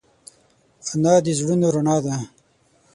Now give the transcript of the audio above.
انا د زړونو رڼا ده